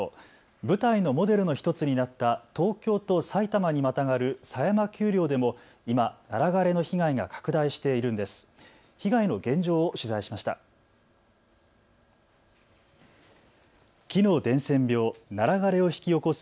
舞台のモデルの１つになった東京と埼玉にまたがる狭山丘陵でも今、ナラ枯れの被害が拡大しているんです。